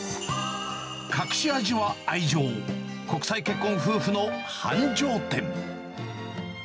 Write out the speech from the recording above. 隠し味は愛情、国際結婚夫婦の繁盛店。